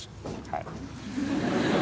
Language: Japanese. はい。